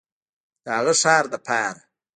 د هغه ښار لپاره